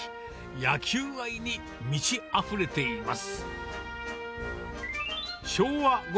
野球愛に満ちあふれています。